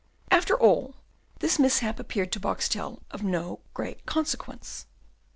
After all, this mishap appeared to Boxtel of no great consequence.